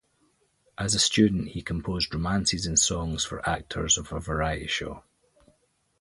As a student, he composed romances and songs for actors of a variety show.